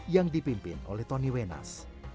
yang dipimpin oleh tony wenas